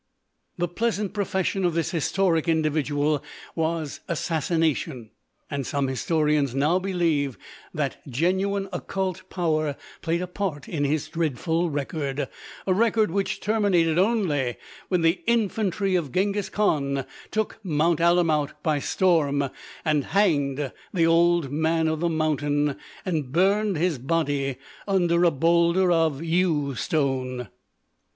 "The pleasant profession of this historic individual was assassination; and some historians now believe that genuine occult power played a part in his dreadful record—a record which terminated only when the infantry of Genghis Khan took Mount Alamout by storm and hanged the Old Man of the Mountain and burned his body under a boulder of You Stone.